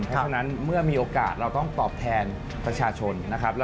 เพราะฉะนั้นเมื่อมีโอกาสเราต้องตอบแทนประชาชนนะครับ